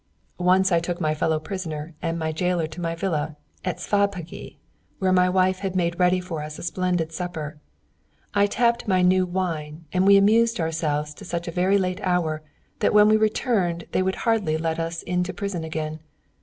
Once I took my fellow prisoner and my jailer to my villa at Svabhegy, where my wife had made ready for us a splendid supper. I tapped my new wine, and we amused ourselves to such a very late hour that when we returned they would hardly let us into prison again.